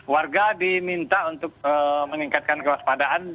warga diminta untuk meningkatkan kewaspadaan